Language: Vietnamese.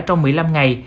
trong một mươi năm ngày